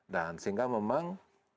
dan sehingga memang